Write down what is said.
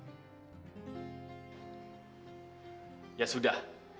kalau semua sudah dikira maka saya akan mencari bakat bakat muda